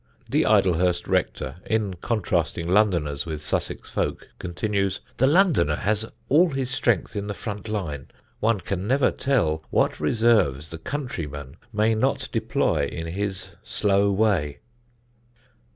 The Idlehurst rector, in contrasting Londoners with Sussex folk, continues: "The Londoner has all his strength in the front line: one can never tell what reserves the countryman may not deploy in his slow way."